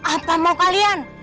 apa mau kalian